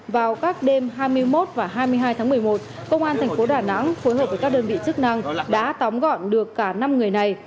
vào các đêm hai mươi một và hai mươi hai tháng một mươi một công an thành phố đà nẵng phối hợp với các đơn vị chức năng đã tóm gọn được cả năm người này